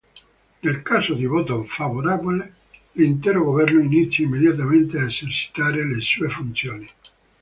Nel caso di voto favorevole, l'intero governo inizia immediatamente a esercitare le sue funzioni.